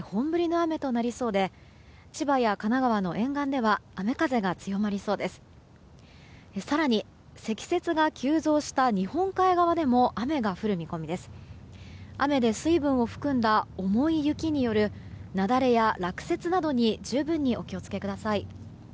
雨で水分を含んだ重い雪による雪崩や落雪などに十分に、お気を付けください。